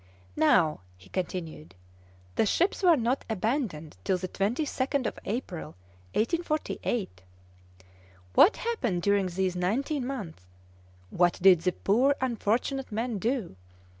"Now," he continued, "the ships were not abandoned till the 22nd of April, 1848. What happened during these nineteen months? What did the poor unfortunate men do?